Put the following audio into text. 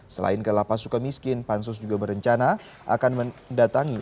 selain ke lapa sukamiskin pansus juga berencana akan mendatangi